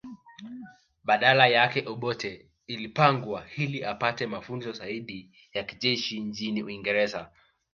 Badala yake Obote ilipangwa ili apate mafunzo zaidi ya kijeshi nchini Uingereza